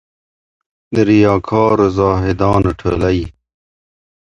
د ریا کارو زاهدانو ټولۍ